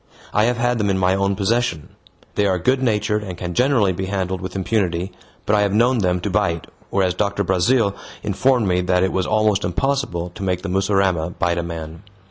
I have had them in my own possession. They are good natured and can generally be handled with impunity, but I have known them to bite, whereas Doctor Brazil informed me that it was almost impossible to make the mussurama bite a man.